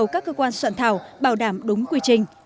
và yêu cầu các cơ quan soạn thảo bảo đảm đúng quy trình